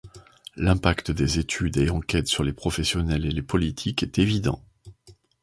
L'impact des études et enquêtes sur les professionnels et les politiques est évident.